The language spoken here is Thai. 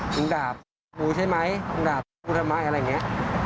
มึงด่าบุ๊ใช่ไหมมึงด่าบุ๊อะไรอย่างนี้